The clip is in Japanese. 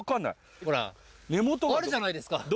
ほらあるじゃないですか。